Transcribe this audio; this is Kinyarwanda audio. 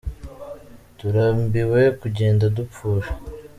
Turambiwe kugenda dupfusha